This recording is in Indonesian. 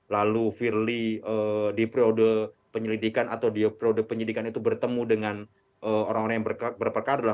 lalu firly di periode penyelidikan atau di periode penyidikan itu bertemu dengan orang orang yang berperkara